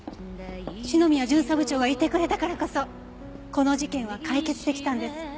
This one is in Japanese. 篠宮巡査部長がいてくれたからこそこの事件は解決できたんです。